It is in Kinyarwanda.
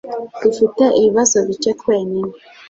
Dufite ibibazo bike twenyine